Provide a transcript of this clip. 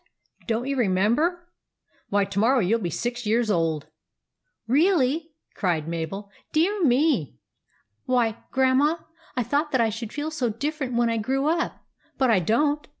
Don't you remember? Why, to morrow you '11 be six years old." "Really?" cried Mabel. "Dear me! Why, Grandma, I thought that I should feel so different when I grew up ; but I don't.